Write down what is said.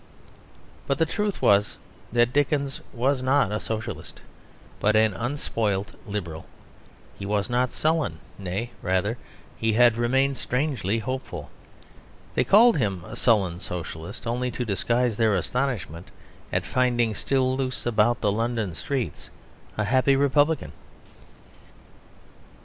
But the truth was that Dickens was not a Socialist, but an unspoilt Liberal; he was not sullen; nay, rather, he had remained strangely hopeful. They called him a sullen Socialist only to disguise their astonishment at finding still loose about the London streets a happy republican.